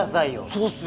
そうっすよ！